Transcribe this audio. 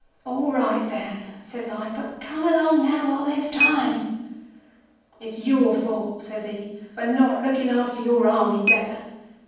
"'All right, Dan,' says I; 'but come along now while there's time.' "'It's your fault,' says he, 'for not looking after your Army better.